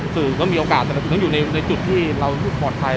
สื่อก็มีโอกาสแต่ต้องอยู่ในจุดที่เราอยู่ปลอดภัย